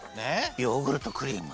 ヨーグルトクリーム。